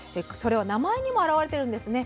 それは名前にも表れているんです。